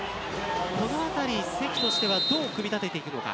このあたり関としてはどう組み立てていくのか。